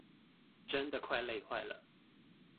真的快累壞了